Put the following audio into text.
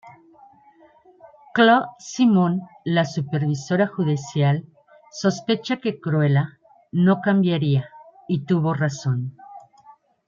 Chloe Simón, la supervisora judicial sospecha que Cruella no cambiaría, y tuvo razón.